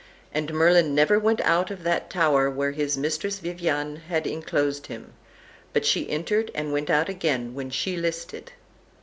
And Merlin never went out of that tower where his Mistress Viviane had enclosed him; but she entered and went out again when she listed.